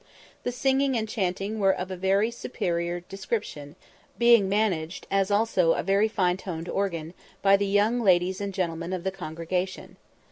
The singing and chanting were of a very superior description, being managed, as also a very fine toned organ, by the young ladies and gentlemen of the congregation.